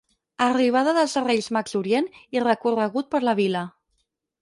Arribada dels reis Mags d'Orient i recorregut per la vila.